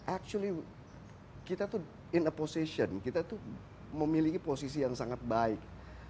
actually kita tuh in a position kita tuh memiliki posisi yang sangat baik